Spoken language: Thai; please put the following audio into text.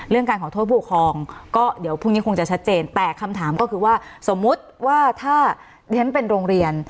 การขอโทษผู้ปกครองก็เดี๋ยวพรุ่งนี้คงจะชัดเจนแต่คำถามก็คือว่าสมมุติว่าถ้าเรียนเป็นโรงเรียน